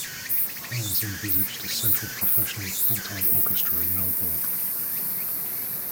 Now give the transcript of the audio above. Heinze envisaged a central professional full-time orchestra in Melbourne.